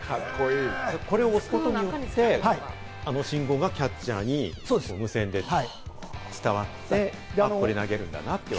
これを押すことによって信号がキャッチャーに無線で伝わって、これを投げるんだなってわかる。